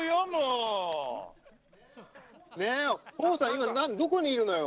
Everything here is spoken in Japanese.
今どこにいるのよ。